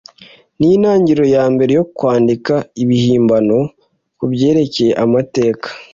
nintangiriro yambere yo kwandika ibihimbano kubyerekeye amateka